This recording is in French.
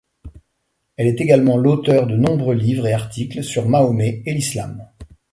Elle est également l'auteur de nombreux livres et articles sur Mahomet et l'islam.